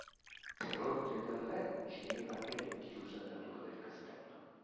Per ordine del re, Ginevra è rinchiusa nella torre del castello.